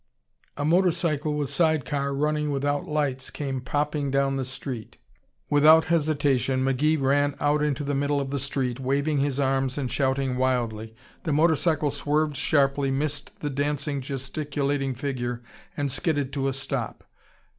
A motor cycle, with side car, running without lights, came popping down the street. Without hesitation McGee ran out into the middle of the street, waving his arms and shouting wildly. The motor cycle swerved sharply, missed the dancing, gesticulating figure and skidded to a stop.